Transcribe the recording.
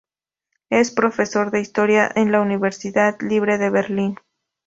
Es profesor de historia en la Universidad Libre de Berlín.